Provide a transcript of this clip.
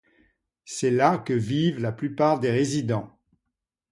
C'est là que vivent la plupart des résidents.